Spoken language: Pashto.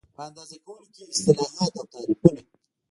په اندازه کولو کې اصطلاحات او تعریفونه